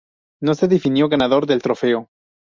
No se definió ganador del trofeo.